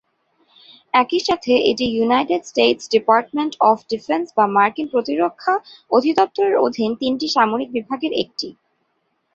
একই সাথে এটি United States Department of Defense বা মার্কিন প্রতিরক্ষা অধিদপ্তরের অধীন তিনটি সামরিক বিভাগের একটি।